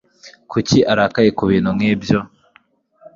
Kuki arakaye kubintu nkibyo?